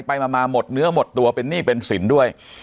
ไปมาหมดเนื้อหมดตัวเป็นหนี้เป็นสินด้วย